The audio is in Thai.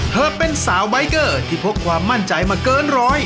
เธอเป็นสาวใบเกอร์ที่พกความมั่นใจมาเกินร้อย